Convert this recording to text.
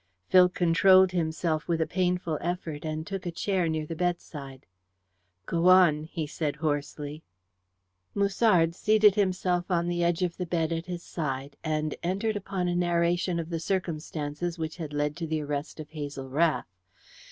Phil controlled himself with a painful effort, and took a chair near the bedside. "Go on," he said hoarsely. Musard seated himself on the edge of the bed at his side, and entered upon a narration of the circumstances which had led to the arrest of Hazel Rath.